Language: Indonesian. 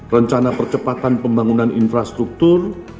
rencana percepatan pembangunan infrastruktur